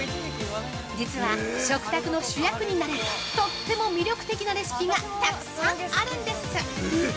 実は、食卓の主役になれるとっても魅力的なレシピがたくさんあるんです。